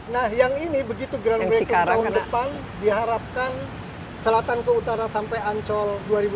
nah yang ini begitu ground breaking tahun depan diharapkan selatan ke utara sampai ancol dua ribu tiga puluh dua